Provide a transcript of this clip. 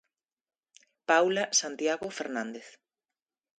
Paula Santiago Fernández.